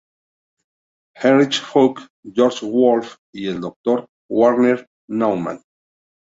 Henrich Focke, Georg Wulf y el Dr. Werner Naumann.